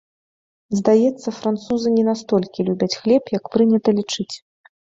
Здаецца, французы не настолькі любяць хлеб, як прынята лічыць.